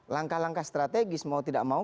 langkah langkah strategis mau tidak mau